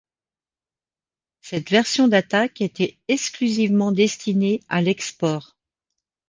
Cette version d'attaque était exclusivement destinée à l'export.